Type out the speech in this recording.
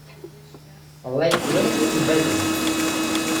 Lake Winnipeg's basin.